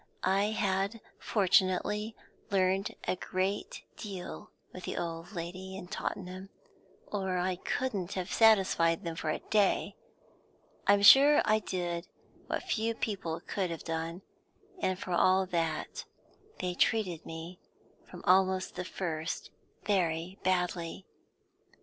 I had fortunately learnt a great deal with the old lady in Tottenham, or I couldn't have satisfied them for a day. I'm sure I did what few people could have done, and for all that they treated me from almost the first very badly.